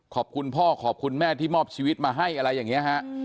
ขอบคุณพ่อขอบคุณแม่ที่มอบชีวิตมาให้อะไรอย่างนี้ฮะ